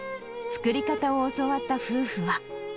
作り方を教わった夫婦は。